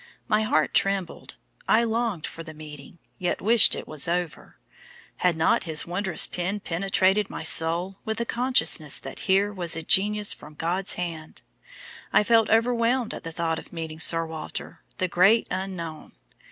My heart trembled; I longed for the meeting, yet wished it over. Had not his wondrous pen penetrated my soul with the consciousness that here was a genius from God's hand? I felt overwhelmed at the thought of meeting Sir Walter, the Great Unknown.